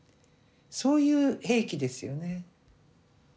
そういう兵器ですよね。